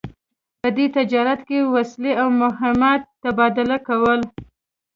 په دې تجارت کې وسلې او مهت تبادله کول.